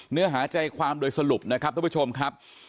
เนื้อหาใจความโดยสรุปนะครับทุกผู้ชมครับ